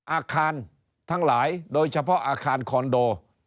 อาคารทั้งหลายโดยเฉพาะอาคารคอนโด